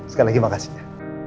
sekali lagi makasih ya